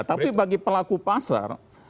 tapi bagi pelaku pasar